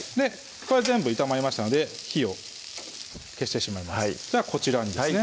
これ全部炒まりましたので火を消してしまいますではこちらにですね